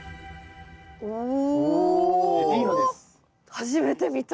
初めて見た。